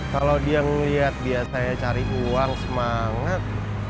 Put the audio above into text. kalau dia melihat biasanya cari uang semangat